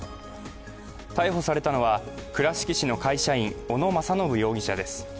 逮捕されたのは倉敷市の会社員・小野将信容疑者です。